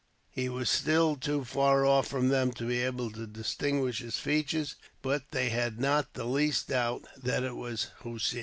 He was still too far off from them to be able to distinguish his features, but they had not the least doubt that it was Hossein.